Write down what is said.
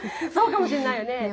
そうかもしれないよね。